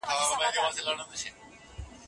د هندوکش او د پامير تاج يې